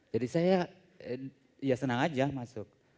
jadi saya ya senang aja masuk